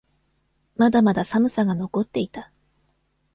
まだまだ寒さが残っていた。